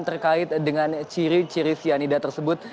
terkait dengan ciri ciri cyanida tersebut